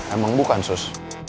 emang bukan sus